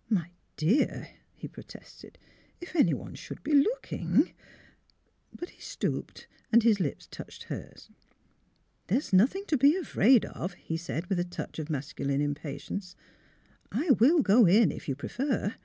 " My dear! " he protested, ^' if anyone should be looking " But he stooped and his lips touched hers. " There is nothing to be afraid of," he said, with a touch of masculine impatience. " I will go in, if you prefer."